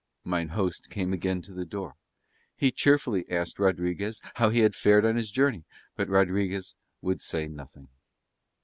Mine host came again to the door. He cheerfully asked Rodriguez how he had fared on his journey, but Rodriguez would say nothing.